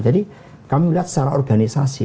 jadi kami melihat secara organisasi